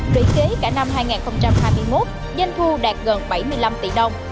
rỉ kế cả năm hai nghìn hai mươi một danh thu đạt gần bảy mươi năm tỷ đồng